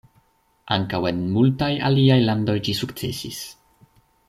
Ankaŭ en multaj aliaj landoj ĝi sukcesis.